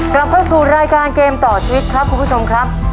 กลับเข้าสู่รายการเกมต่อชีวิตครับคุณผู้ชมครับ